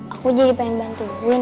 aku jadi pengen bantuin